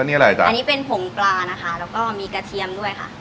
อันนี้อะไรจ้ะอันนี้เป็นผงปลานะคะแล้วก็มีกระเทียมด้วยค่ะ